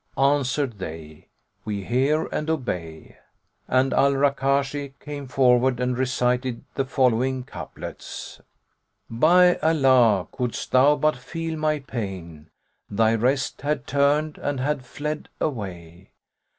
'" Answered they, "We hear and obey," and Al Rakαshi[FN#109] came forward and recited the following couplets, "By Allah, couldst thou but feel my pain, * Thy rest had turned and had fled away.